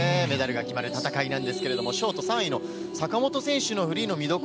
メダルが決まる戦いなんですけれども、ショート３位の坂本選手のフリーの見